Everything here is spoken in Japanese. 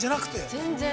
◆全然。